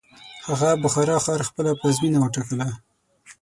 هغه بخارا ښار خپله پلازمینه وټاکله.